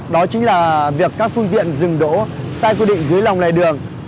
đó chính là việc các phương tiện dừng đỗ sai quy định dưới lòng lề đường